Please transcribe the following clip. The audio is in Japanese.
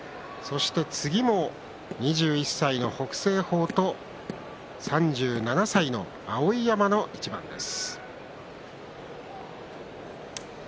そして、次は２１歳の北青鵬と３７歳の碧山の一番です。